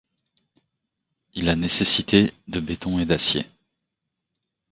Il a nécessité de béton et d'acier.